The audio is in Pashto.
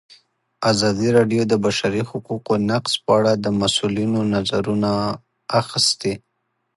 ازادي راډیو د د بشري حقونو نقض په اړه د مسؤلینو نظرونه اخیستي.